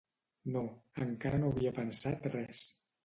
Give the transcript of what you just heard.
—No, encara no havia pensat res.